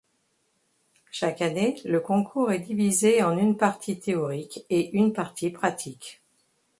Chaque année le concours est divisé en une partie théorique et une partie pratique.